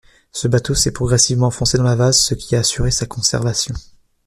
Ce bateau s'est progressivement enfoncé dans la vase, ce qui a assuré sa conservation.